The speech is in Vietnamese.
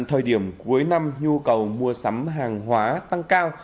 thời điểm cuối năm nhu cầu mua sắm hàng hóa tăng cao